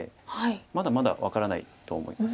まだまだ分からないと思います。